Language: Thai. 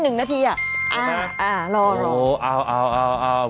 หนึ่งนาทีอ่ะอ่าอ่ารอรอเอาเอา